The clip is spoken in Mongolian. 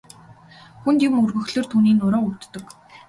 Хүнд юм өргөхлөөр түүний нуруу өвддөг.